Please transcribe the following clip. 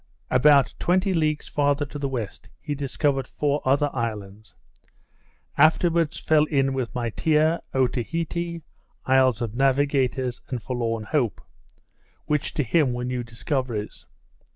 About twenty leagues farther to the west he discovered four other islands; afterwards fell in with Maitea, Otaheite, isles of Navigators, and Forlorn Hope, which to him were new discoveries.